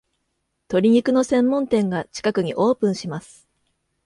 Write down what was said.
鶏肉の専門店が近くにオープンします